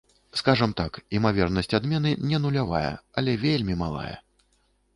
Скажам так, імавернасць адмены не нулявая, але вельмі малая.